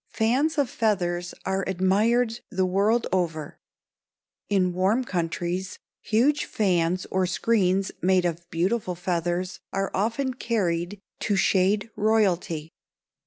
Fans of feathers are admired the world over. In warm countries huge fans or screens made of beautiful feathers are often carried to shade royalty.